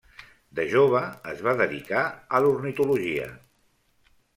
De jove es va dedicar a l'ornitologia.